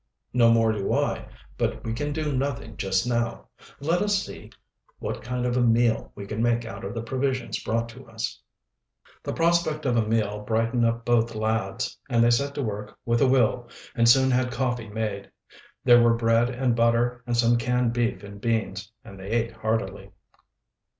"No more do I, but we can do nothing just now. Let us see what kind of a meal we can make out of the provisions brought to us." The prospect of a meal brightened up both lads, and they set to work with a will, and soon had coffee made. There were bread and butter and some canned beef and beans, and they ate heartily.